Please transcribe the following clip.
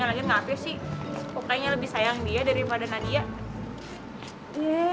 yang lagi nggak apes sih kok kayaknya lebih sayang dia daripada nadia